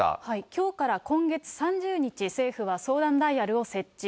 きょうから今月３０日、政府は相談ダイヤルを設置。